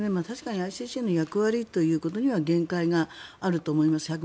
確かにＩＣＣの役割ということには限界があると思います。